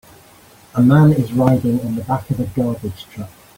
A man is riding on the back of a garbage truck.